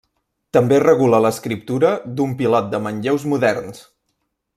També regula l'escriptura d'un pilot de manlleus moderns.